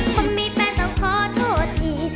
คนมีแฟนต้องขอโทษที